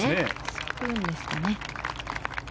スプーンですね。